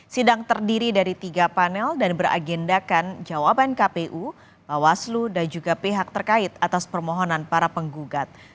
sidang terdiri dari tiga panel dan beragendakan jawaban kpu bawaslu dan juga pihak terkait atas permohonan para penggugat